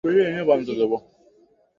আমার একটি স্থায়ী চাকরি আর স্থায়ী আয় দরকার।